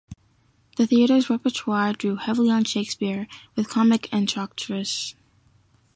The theater's repertoire drew heavily on Shakespeare, with comic entr'actes.